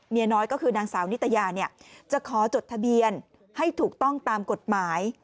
น้อยก็คือนางสาวนิตยาเนี่ยจะขอจดทะเบียนให้ถูกต้องตามกฎหมาย